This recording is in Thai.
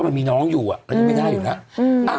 ก็มันมีน้องอยู่แล้วก็ยังไม่ได้แล้ว